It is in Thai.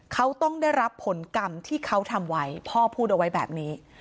เขาต้องได้รับผลกรรมที่เขาทำไว้พ่อพูดเอาไว้แบบนี้